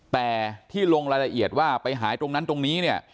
แต่ที่ลงรายละเอียดว่าไปหายตรงนั้นตรงนี้เนี่ย